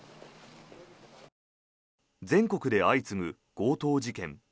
全国で相次ぐ強盗事件。